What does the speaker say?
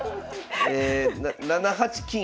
え７八金。